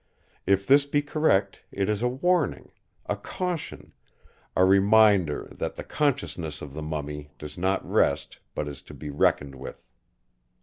If this be correct it is a warning—a caution—a reminder that the consciousness of the mummy does not rest but is to be reckoned with.